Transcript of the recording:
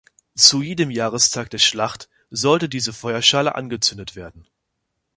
Zu jedem Jahrestag der Schlacht sollte diese Feuerschale angezündet werden.